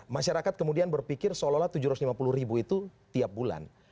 masyarakat kemudian berpikir seolah olah tujuh ratus lima puluh ribu itu tiap bulan